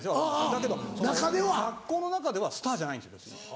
だけど学校の中ではスターじゃないんですよ。